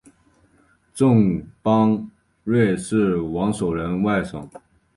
郑邦瑞是王守仁外甥。